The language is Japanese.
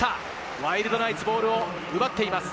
ワイルドナイツボールを奪っています。